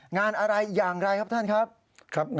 งานอะไรอย่างไรครับท่านครับ